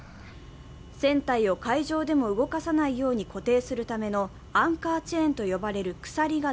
船体を海上でも動かさないように固定するためのアンカーチェーンと呼ばれる鎖が